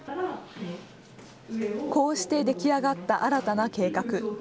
こうしてできあがった新たな計画。